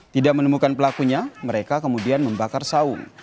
tidak menemukan pelakunya mereka kemudian membakar saung